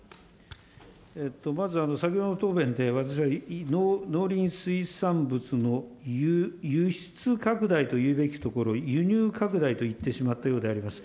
まず先ほどの答弁で、私は農林水産物の輸出拡大というべきところを、輸入拡大と言ってしまったようであります。